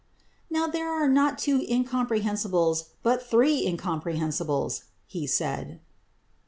"Now there are not two incomprehensibles but three incomprehensibles," he said.